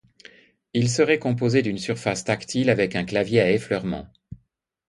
Il serait composé d'une surface tactile avec un clavier à effleurement.